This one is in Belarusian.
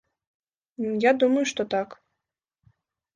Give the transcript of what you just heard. Я думаю, што так.